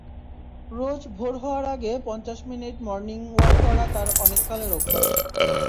রোজ ভোর হওয়ার আগে পঞ্চাশ মিনিট মর্নিং ওয়াক করা তার অনেককালের অভ্যাস।